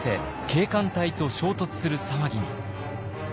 警官隊と衝突する騒ぎに。